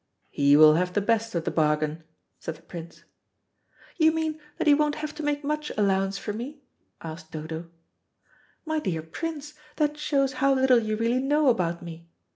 "He will have the best of the bargain;" said the Prince. "You mean that he won't have to make much allowance for me?" asked Dodo. "My dear Prince, that shows how little you really know about me.